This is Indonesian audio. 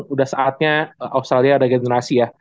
udah saatnya australia ada generasi ya